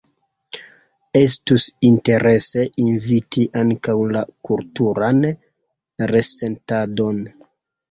Estus interese inviti ankaŭ la kulturan resentadon.